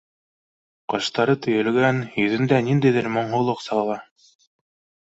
Ҡаштары төйөлгән, йөҙөндә ниндәйҙер моңһоулыҡ сағыла.